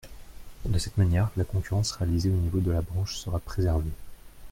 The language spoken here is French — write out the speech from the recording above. De cette manière, la concurrence réalisée au niveau de la branche sera préservée.